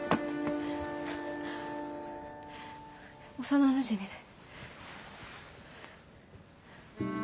幼なじみで。